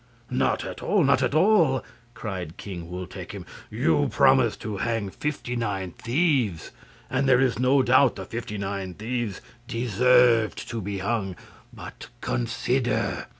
"Not at all! Not at all!" cried Wul Takim. "You promised to hang fifty nine thieves, and there is no doubt the fifty nine thieves deserved to be hung. But, consider!